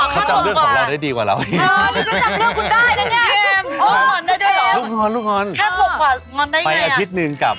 แต่เรามั่นใจว่าเราทำได้ไง